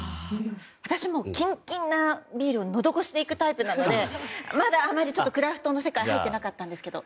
私はキンキンなビールをのど越しでいくタイプなのでまだあまりクラフトの世界に入ってなかったんですけど。